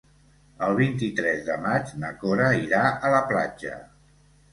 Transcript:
El vint-i-tres de maig na Cora irà a la platja.